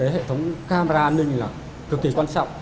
hệ thống camera nên là cực kỳ quan trọng